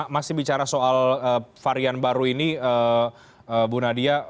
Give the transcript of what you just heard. masih bicara soal varian baru ini bu nadia